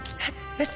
えっ？